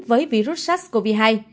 với virus sars cov hai